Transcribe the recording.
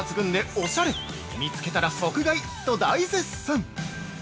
お店で見つけたら絶対即買い！と大絶賛！